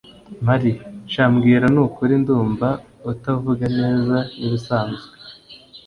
mary: sha mbwira nukuri ndumva utavuga neza nk’ibisanzwe,,